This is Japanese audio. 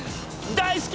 大好き！